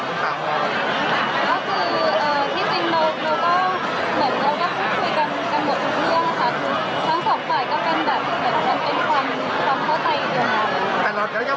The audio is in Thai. ที่จริงเราก็พูดคุยกันกันหมดทุกเรื่องนะคะทั้งสองฝ่ายก็เป็นความเข้าใจเรื่องราว